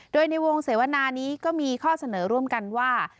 โดยในวงเสวนานี้ก็มีข้อเสนอร่วมกันว่า